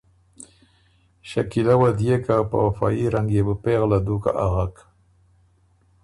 شکیلۀ وه ديېک که په فه يي رنګ يې بو پېغله دُوکه اغک